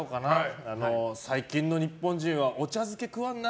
最近の日本人はお茶漬け食わんな。